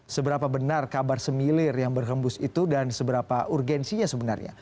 seberapa benar kabar semilir yang berhembus itu dan seberapa urgensinya sebenarnya